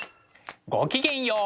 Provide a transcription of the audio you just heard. ごきげんよう。